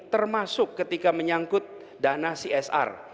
termasuk ketika menyangkut dana csr